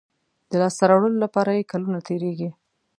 د لاسته راوړلو لپاره یې کلونه تېرېږي.